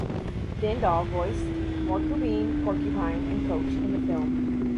Dindal voiced Morkubine Porcupine and Coach in the film.